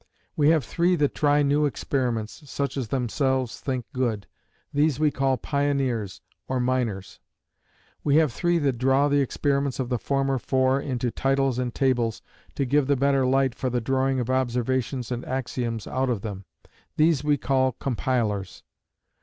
"We have three that try new experiments, such as themselves think good. These we call Pioneers or Miners. "We have three that draw the experiments of the former four into titles and tables, to give the better light for the drawing of observations and axioms out of them. These we call Compilers.